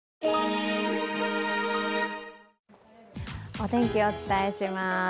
お天気、お伝えします。